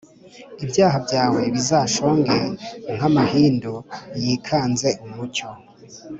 ibyaha byawe bizashonge nk’amahindu yikanze umucyo